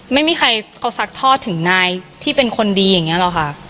ไม่มีใครเขาซักทอดถึงนายที่เป็นคนดีอย่างนี้หรอกค่ะ